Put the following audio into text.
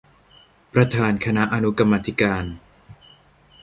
ประธานคณะอนุกรรมาธิการ